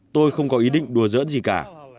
tôi không có ý định đùa dỡn gì cả